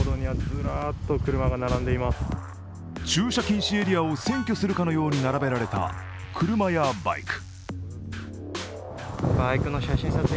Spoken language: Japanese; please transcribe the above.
駐車禁止エリアを占拠するように並べられた車やバイク。